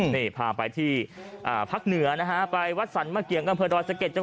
นี่พาไปที่พรรคเหนือไปวัดสรร์ทมะเกียงกเกอร์รศเกลชะเกต